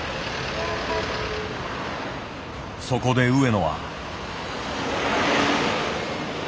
そこで上野は。